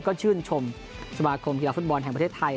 ก็ชื่นชมสมาคมกีฬาฟุตบอลแห่งประเทศไทย